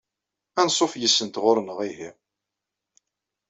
Ansuf yis-sent ɣur-neɣ ihi.